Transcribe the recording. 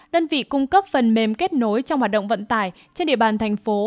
đơn vị cung cấp phần mềm kết nối trong hoạt động vận tải trên địa bàn thành phố